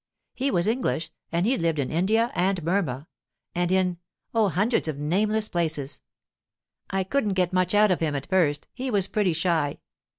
He was English, and he'd lived in India and Burma, and in—oh, hundreds of nameless places. I couldn't get much out of him at first; he was pretty shy.